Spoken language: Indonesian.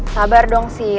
sabar dong sih